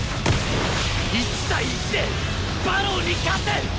１対１で馬狼に勝つ！！